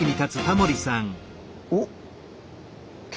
おっ！